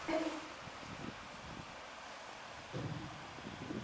Američané tak nezískali třetí výhru v řadě.